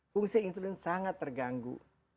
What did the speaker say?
fungsi insulin sangat terganggu